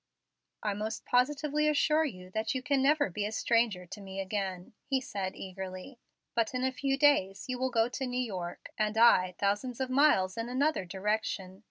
"I most positively assure you that you can never be a stranger to me again," he said eagerly. "But in a few days you will go to New York, and I thousands of miles in another direction.